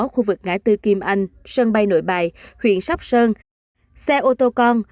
khu vực ngã tư kim anh sân bay nội bài huyện sóc sơn xe ô tô con